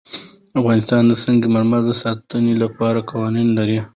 افغانستان د سنگ مرمر د ساتنې لپاره قوانین لري.